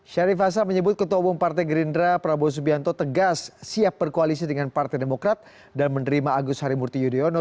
syarif hasan menyebut ketua umum partai gerindra prabowo subianto tegas siap berkoalisi dengan partai demokrat dan menerima agus harimurti yudhoyono